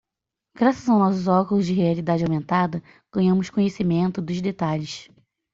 Graças aos nossos óculos de realidade aumentada, ganhamos conhecimento dos detalhes.